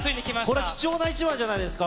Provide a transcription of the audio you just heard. これ、貴重な一枚じゃないですか。